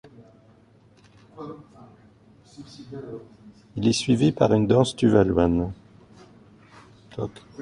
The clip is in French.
Il est suivi par une danse tuvaluane.